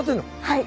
はい。